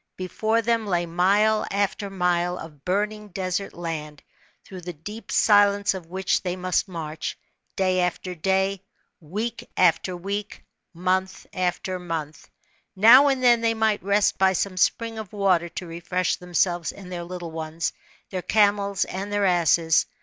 Before them lay mile after mile of burning desert land, through the deep silence of which, they must march, da} after day, week after week, month after month. Now and then they might rest by gome spring of water to refresh themselves and their B.C. 1451.] DEATH OF MOSES. 29 little ones, their camels aud their asses.